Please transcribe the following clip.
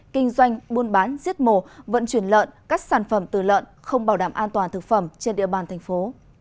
kinh doanh buôn bán giết mổ vận chuyển lợn các sản phẩm từ lợn không bảo đảm an toàn thực phẩm trên địa bàn thành phố